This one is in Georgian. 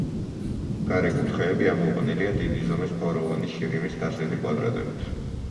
გარე კუთხეები ამოყვანილია დიდი ზომის ფოროვანი შირიმის გათლილი კვადრატებით.